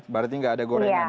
berarti nggak ada gorengan ya